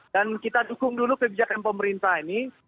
dan kita dukung dulu kebijakan pemerintah ini